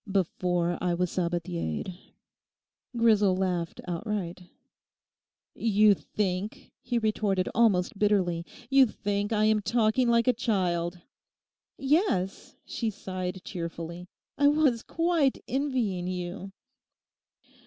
'Before, I was Sabathiered.' Grisel laughed outright. 'You think,' he retorted almost bitterly, 'you think I am talking like a child.' 'Yes,' she sighed cheerfully, 'I was quite envying you.